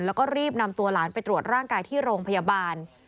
แล้วก็รีบนำตัวหลานไปตรวจร่างกายที่โรงพยาบาล